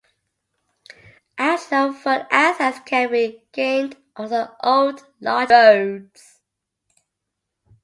Additional foot access can be gained using old logging roads.